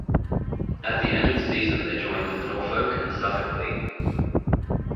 At the end of the season they joined the Norfolk and Suffolk League.